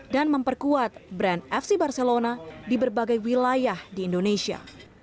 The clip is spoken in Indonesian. dan memperkuat brand fc barcelona di berbagai wilayah di indonesia